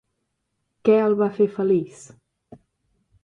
Què el va fer feliç?